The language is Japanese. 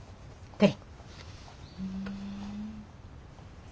はい。